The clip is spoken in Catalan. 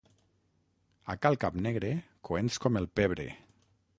A Cal Capnegre, coents com el pebre.